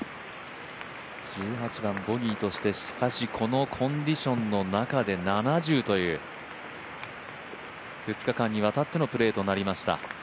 １８番、ボギーとして、しかしこのコンディションの中で７０という、２日間にわたってのプレーとなりました。